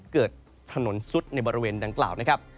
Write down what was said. เกิดถนนซุดในบริเวณดังกล่าวนะครับ